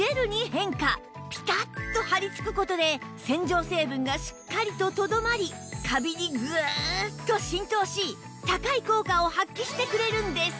ピタッと張りつく事で洗浄成分がしっかりととどまりカビにグーッと浸透し高い効果を発揮してくれるんです